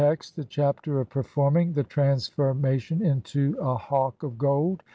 Text : (1) The Chapter of performing the transforma tion INTO A HAWK OF GOLD.